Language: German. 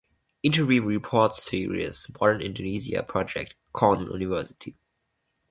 Interim Reports Series, Modern Indonesia Project, Cornell University.